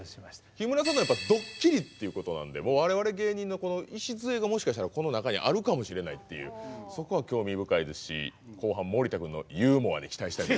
木村さんのはドッキリっていうことなんで我々芸人の礎がもしかしたらこの中にあるかもしれないっていうそこは興味深いですし後半森田君のユーモアに期待したいと。